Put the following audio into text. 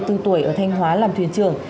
hai mươi bốn tuổi ở thanh hóa làm thuyền trưởng